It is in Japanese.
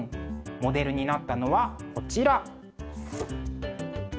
モデルになったのはこちら。